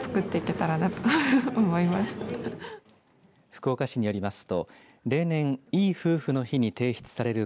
福岡市によりますと例年いい夫婦の日に提出される